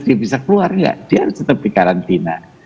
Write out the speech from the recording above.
dia bisa keluar ya dia harus tetap di karantina